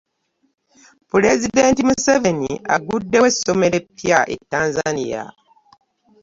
Pulezidenti Museveni agguddewo essomero epya e Tanzania.